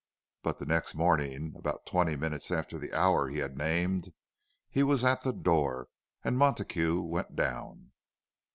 But the next morning, about twenty minutes after the hour he had named, he was at the door, and Montague went down.